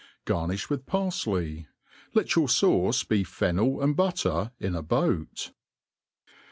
Garniih witb parfley ; let your futce ha fennel and butter in a boat.